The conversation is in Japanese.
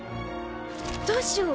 どうしよう？